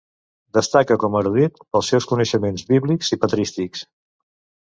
Destaca com a erudit pels seus coneixements bíblics i patrístics.